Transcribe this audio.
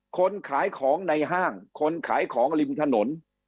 คนขายของในห้างคนขายของริมถนน